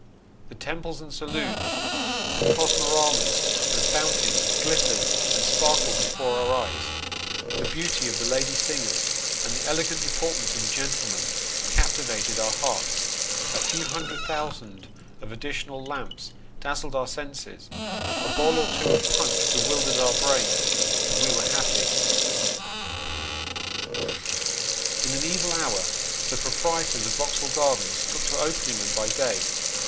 The temples and saloons and cosmoramas and fountains glittered and sparkled before our eyes ; the beauty of the lady singers and the elegant deportment of the gentlemen, captivated our hearts ; a few hundred thousand of additional lamps dazzled our senses ; a bowl or two of punch bewildered our brains ; and we were happy. In an evil hour, the proprietors of Vauxhall Gardens took to opening them by day.